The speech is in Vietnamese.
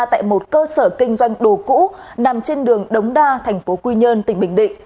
tại một cơ sở kinh doanh đồ cũ nằm trên đường đống đa thành phố quy nhơn tỉnh bình định